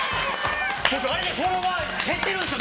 フォロワー減ってるんですよ